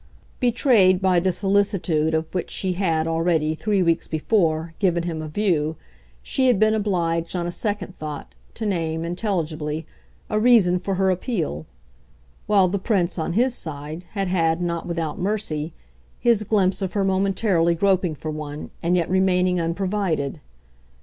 Betrayed by the solicitude of which she had, already, three weeks before, given him a view, she had been obliged, on a second thought, to name, intelligibly, a reason for her appeal; while the Prince, on his side, had had, not without mercy, his glimpse of her momentarily groping for one and yet remaining unprovided.